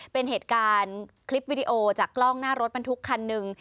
เป็นเหตุการณ์คลิปวิดีโอจากกล้องหน้ารถบรรทุกคันหนึ่ง